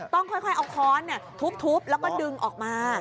ต้องค่อยเอาค้อนทุบแล้วก็ดึงออกมา